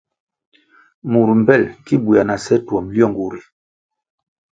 Mur mpel ki bwea na seh twom lyongu ri.